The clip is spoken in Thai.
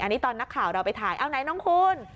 อันนี้ตอนนักข่าวเราไปถ่ายเอาไหนน้องคุณ